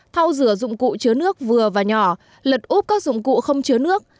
thao rửa dụng cụ chứa nước vừa và nhỏ lật úp các dụng cụ không chứa nước